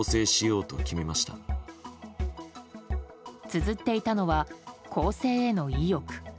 つづっていたのは更生への意欲。